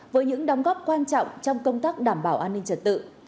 với những đóng góp quan trọng trong công tác đảm bảo an ninh trật tự